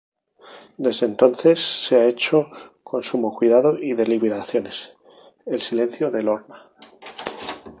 Desde entonces han hecho, con sumo cuidado y deliberaciones, "El silencio de Lorna".